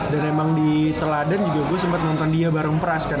dan emang di teladan juga gue sempet nonton dia bareng pras kan